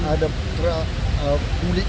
ada produk kulit